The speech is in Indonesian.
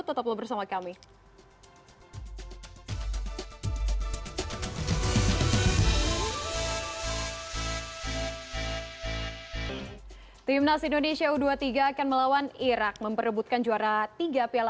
tetap berbicara bersama kami